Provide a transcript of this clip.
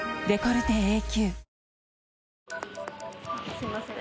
すいません。